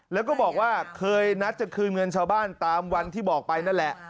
แล้วก็บอกว่าเคยนัดจะคืนเงินชาวบ้านตามวันที่บอกไปนั่นแหละ